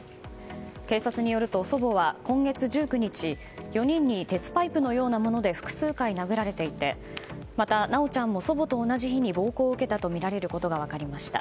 警察によると祖母は今月１９日４人に鉄パイプのようなもので複数回、殴られていてまた、修ちゃんも祖母と同じ日に暴行を受けたとみられることが分かりました。